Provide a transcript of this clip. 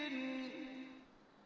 assalatu wassalamu alaikum